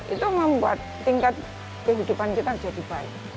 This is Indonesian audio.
itu membuat tingkat kehidupan kita jadi baik